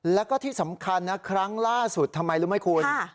แล้วก็ที่สำคัญนะครั้งล่าสุดทำไมรู้ไหมคุณ